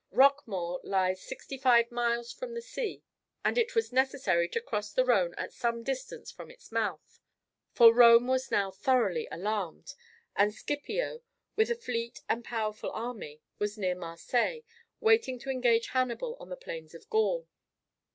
Roquemaure lies sixty five miles from the sea, and it was necessary to cross the Rhone at some distance from its mouth, for Rome was now thoroughly alarmed, and Scipio, with a fleet and powerful army, was near Marseilles waiting to engage Hannibal on the plains of Gaul.